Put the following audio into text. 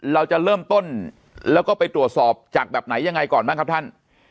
เราจะเริ่มต้นแล้วก็ไปตรวจสอบจากแบบไหนยังไงก่อนบ้างครับท่าน